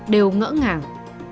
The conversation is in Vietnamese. đều ngỡ ngàng